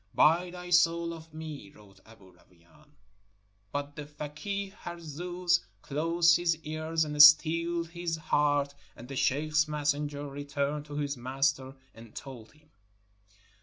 "Buy thy soul of me!" wrote Aboo Rawain; but the fakeeh Harzooz closed his ears and steeled his heart, and the sheikh's messenger returned to his master and told him.